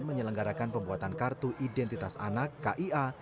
menyelenggarakan pembuatan kartu identitas anak kia